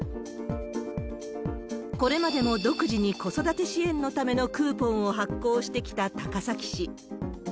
これまでも独自に子育て支援のためのクーポンを発行してきた高崎市。